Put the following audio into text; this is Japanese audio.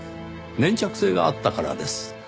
粘着性があったからです。